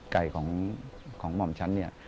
ไก่ของหม่อมฉันเนี่ย